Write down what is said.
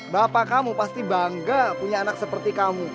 bapak kamu pasti bangga punya anak seperti kamu